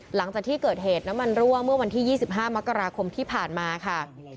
หลังจากที่เกิดเหตุน้ำมันรั่วเมื่อวันที่๒๕มกราคมที่ผ่านมาค่ะ